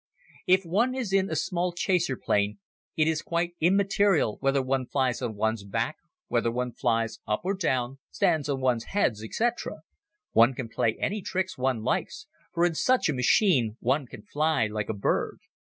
If one is in a small chaser plane it is quite immaterial whether one flies on one's back, whether one flies up or down, stands on one's head, etc. One can play any tricks one likes, for in such a machine one can fly like a bird.